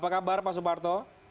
apa kabar pak suparto